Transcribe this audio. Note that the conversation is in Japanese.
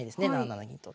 ７七銀と。